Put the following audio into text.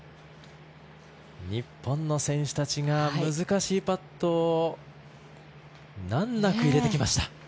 日本の選手たちが難しいパットを難なく入れてきました。